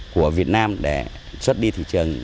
của việt nam để xuất đi thị trường